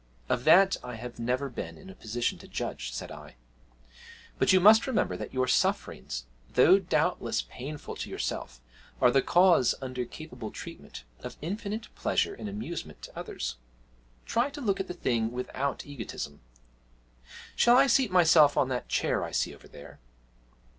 'Of that I have never been in a position to judge,' said I; 'but you must remember that your sufferings, though doubtless painful to yourself, are the cause, under capable treatment, of infinite pleasure and amusement to others. Try to look at the thing without egotism. Shall I seat myself on that chair I see over there?'